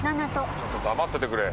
ちょっと黙っててくれ。